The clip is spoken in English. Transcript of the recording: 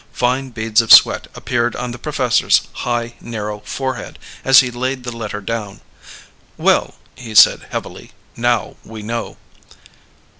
Fine beads of sweat appeared on the professor's high narrow forehead as he laid the letter down. "Well," he said heavily, "now we know."